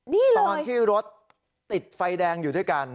นี่ตอนที่รถติดไฟแดงอยู่ด้วยกัน